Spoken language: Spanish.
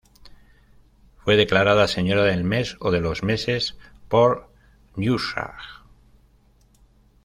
Fue declarada ""Señora del mes o de los meses"" por Ninhursag.